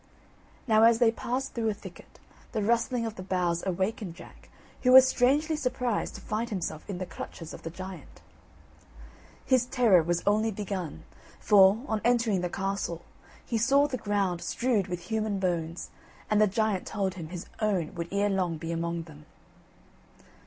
Now, as they passed through a thicket, the rustling of the boughs awakened Jack, who was strangely surprised to find himself in the clutches of the giant. His terror was only begun, for, on entering the castle, he saw the ground strewed with human bones, and the giant told him his own would ere long be among them.